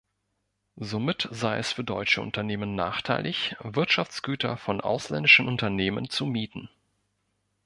Somit sei es für deutsche Unternehmen nachteilig, Wirtschaftsgüter von ausländischen Unternehmen zu mieten.